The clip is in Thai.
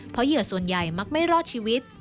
เพราะเหยื่อส่วนใหญ่มักไม่รอดชีวิต